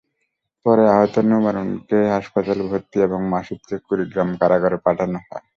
পরে আহত নোমারুনকে হাসপাতালে ভর্তি এবং মাসুদকে কুড়িগ্রাম কারাগারে পাঠানো হয়।